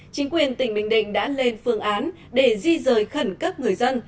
chính quyền tỉnh bình định đã lên phương án để di rời khẩn cấp người dân